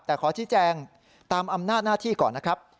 แต่ขอชี้แจงตามอำนาจหน้าที่ก่อนนะครับ